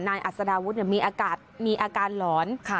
อัศดาวุฒิมีอาการหลอน